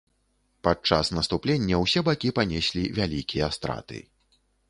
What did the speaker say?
Падчас наступлення ўсе бакі панеслі вялікія страты.